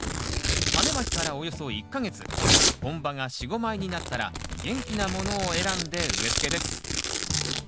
タネまきからおよそ１か月本葉が４５枚になったら元気なものを選んで植えつけです。